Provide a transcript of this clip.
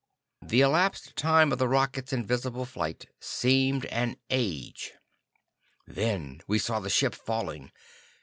The elapsed time of the rocket's invisible flight seemed an age. Then we saw the ship falling.